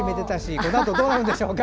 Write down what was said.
このあとどうなるんでしょうか。